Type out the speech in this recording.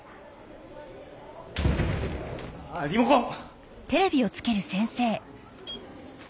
あリモコン！